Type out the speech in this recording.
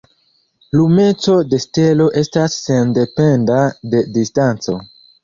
Lumeco de stelo estas sendependa de distanco.